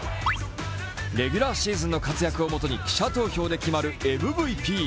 レギュラーシーズンの活躍をもとに記者投票で決まるＭＶＰ。